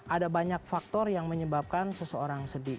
ada banyak faktor yang menyebabkan seseorang sedih